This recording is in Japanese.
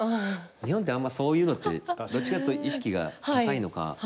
日本ってあんまそういうのってどっちかっていうと意識が高いのか。